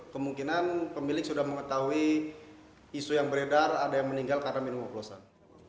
kemungkinan pemilik sudah mengetahui isu yang beredar ada yang meninggal karena minum oplosan